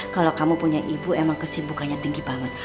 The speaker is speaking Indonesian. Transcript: kalau kamu punya ibu emang kesibukannya tinggi banget